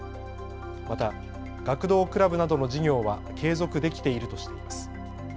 また学童クラブなどの事業は継続できているとしています。